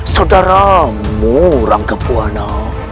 saudaramu rangka pulwana